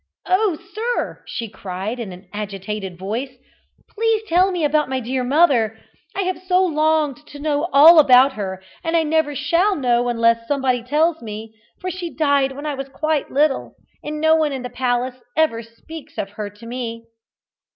"Oh, sir," she cried in an agitated voice, "please tell me about my dear mother. I have so longed to know all about her, and I never shall know unless somebody tells me, for she died when I was quite little, and no one in the palace ever speaks of her to me."